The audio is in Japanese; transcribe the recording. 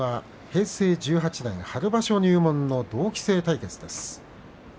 平成１８年春場所入門の同期生対決です。